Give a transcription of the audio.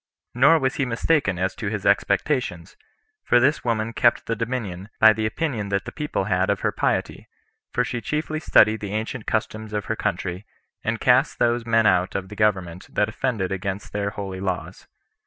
Nor was he mistaken as to his expectations; for this woman kept the dominion, by the opinion that the people had of her piety; for she chiefly studied the ancient customs of her country, and cast those men out of the government that offended against their holy laws.